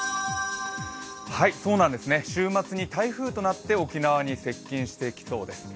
週末に台風となって沖縄に接近してきそうです。